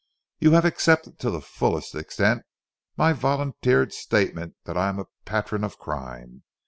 You have accepted to the fullest extent my volunteered statement that I am a patron of crime.